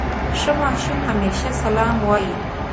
ښه ماشوم همېشه سلام وايي.